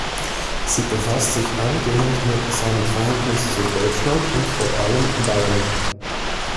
Sie befasste sich eingehend mit seinem Verhältnis zu Deutschland und vor allem Bayern.